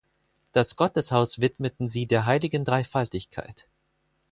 Das Gotteshaus widmeten sie der Heiligen Dreifaltigkeit.